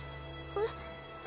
えっ？